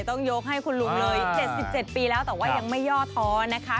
ต้องยกให้คุณลุงเลย๗๗ปีแล้วแต่ว่ายังไม่ย่อท้อนะคะ